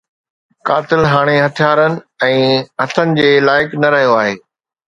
قاتل هاڻي هٿيارن ۽ هٿن جي لائق نه رهيو آهي